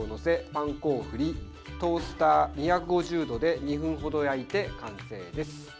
パン粉を振りトースター２５０度で２分ほど焼いて完成です。